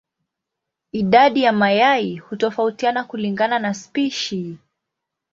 Idadi ya mayai hutofautiana kulingana na spishi.